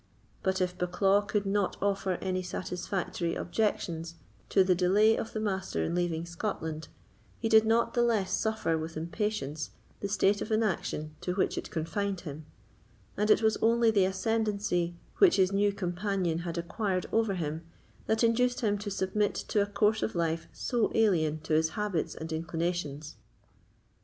But if Bucklaw could not offer any satisfactory objections to the delay of the Master in leaving Scotland, he did not the less suffer with impatience the state of inaction to which it confined him; and it was only the ascendency which his new companion had acquired over him that induced him to submit to a course of life so alien to his habits and inclinations.